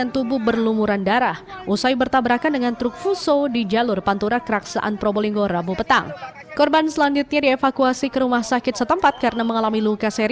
terus terus terus